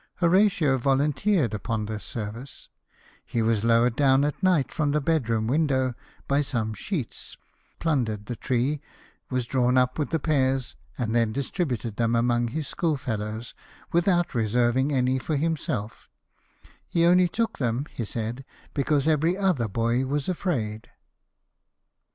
Horatio volunteered upon this service : he was lowered down at night from the bed room window by some sheets, plundered the tree, was drawn up "with the pears, and then distributed them among his schoolfellows, without reserving any for himself " He only took them," he said, " because every other boy was afraid."